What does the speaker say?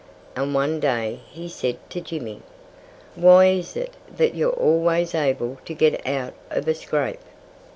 And one day he said to Jimmy: "Why is it that you're always able to get out of a scrape?"